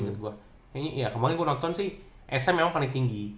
kayaknya ya kemaren gue nonton sih sa memang paling tinggi